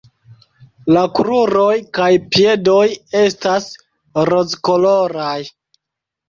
La kruroj kaj piedoj estas rozkoloraj.